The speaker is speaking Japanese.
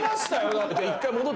だって。